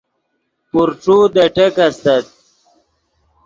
پورݯو دے ٹیک استت